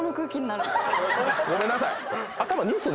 ごめんなさい。